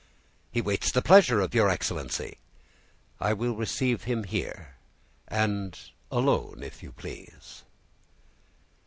"He waits the pleasure of your excellency." "I will receive him here, and alone, if you please."